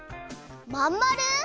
まんまる！？